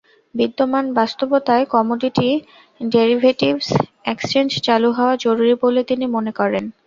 বিদ্যমান বাস্তবতায় commodity derivatives exchange চালু হওয়া জরুরি বলে তিনি মনে করেন।